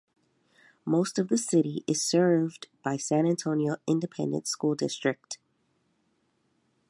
Most of the city is served by San Antonio Independent School District.